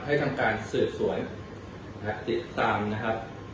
ให้ทำการสืบสวนติดตามนะครับ